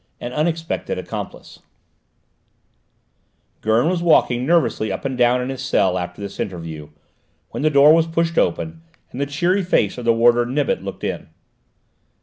AN UNEXPECTED ACCOMPLICE Gurn was walking nervously up and down in his cell after this interview, when the door was pushed open and the cheery face of the warder Nibet looked in.